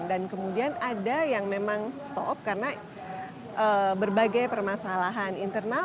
kemudian ada yang memang stop karena berbagai permasalahan internal